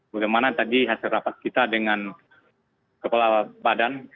bagaimana tadi hasil rapat kita dengan kepala badan